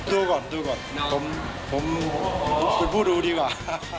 ดูก่อนดูก่อนผมเป็นผู้ดูดีกว่า